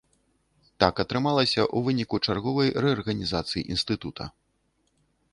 Так атрымалася ў выніку чарговай рэарганізацыі інстытута.